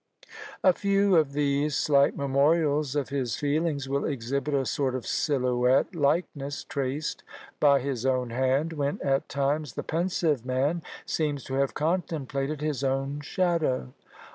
A few of these slight memorials of his feelings will exhibit a sort of Silhouette likeness traced by his own hand, when at times the pensive man seems to have contemplated his own shadow.